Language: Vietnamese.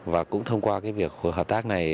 và cũng thông qua cái việc hợp tác này